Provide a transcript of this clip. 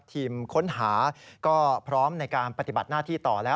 ทีมค้นหาก็พร้อมในการปฏิบัติหน้าที่ต่อแล้ว